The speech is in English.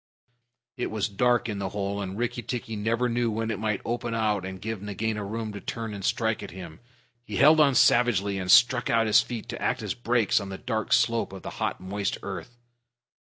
It was dark in the hole; and Rikki tikki never knew when it might open out and give Nagaina room to turn and strike at him. He held on savagely, and stuck out his feet to act as brakes on the dark slope of the hot, moist earth.